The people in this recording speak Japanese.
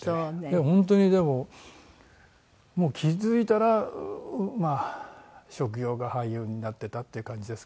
でも本当にでももう気付いたら職業が俳優になってたっていう感じですかね。